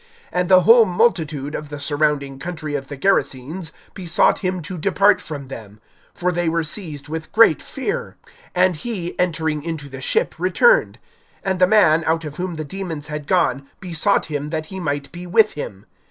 (37)And the whole multitude of the surrounding country of the Gerasenes besought him to depart from them; for they were seized with great fear. And he, entering into the ship, returned. (38)And the man, out of whom the demons had gone, besought him that he might be with him.